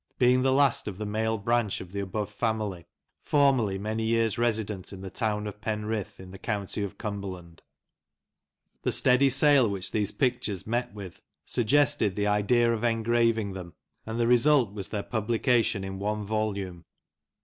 being the last of the male branch of the above family ; formerly many years resident in the town of Penrith, in the county of Cumberland." The steady sale which these pictures met with suggested the idea of engraving them, and the result was their publication in one volume.